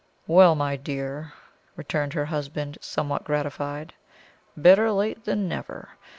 "Well, my dear," returned her husband, somewhat gratified, "better late than never.